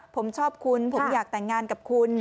ผมชอบคุณผมอยากแต่งงานกับคุณ